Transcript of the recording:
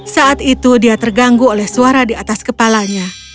saat itu dia terganggu oleh suara di atas kepalanya